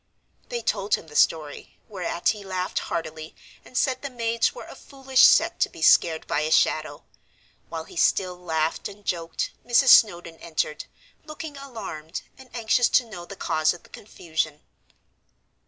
They told him the story, whereat he laughed heartily, and said the maids were a foolish set to be scared by a shadow. While he still laughed and joked, Mrs. Snowdon entered, looking alarmed, and anxious to know the cause of the confusion.